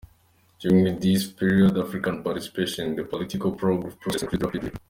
During this period, African participation in the political process increased rapidly.